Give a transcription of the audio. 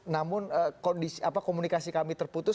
namun kondisi apa komunikasi kami terputus